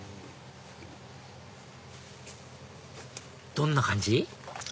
どんな感じ？